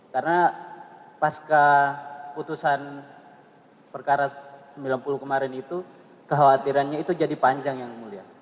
karena pas keputusan perkara sembilan puluh kemarin itu kekhawatirannya itu jadi panjang yang mulia